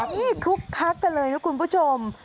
นี่คึกคักกันเลยนะคุณผู้ชม